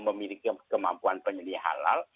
memiliki kemampuan penyelia halal